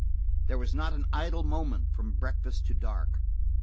There was not an idle moment from breakfast to dark.